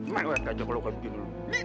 mak gue ajak lo ke begini dulu